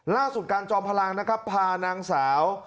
ล่าสุดการจอมพลังนะครับพานางสาว